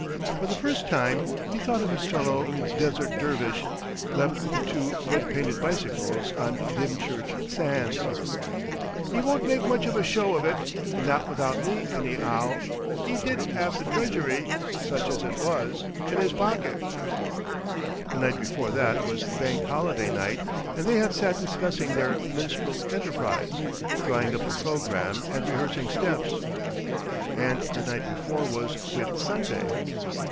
For the first time he thought of his fellow Desert Dervish, left with the two red painted bicycles on Dymchurch sands. "'E won't make much of a show of it, not without me. Any'ow 'e did 'ave the treasury such as it was in his pocket!"... The night before that was Bank Holiday night and they had sat discussing their minstrel enterprise, drawing up a programme and rehearsing steps. And the night before was Whit Sunday.